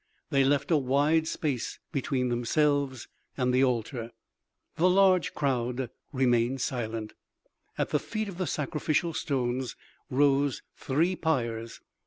They left a wide space between themselves and the altar. The large crowd remained silent. At the feet of the sacrificial stones rose three pyres.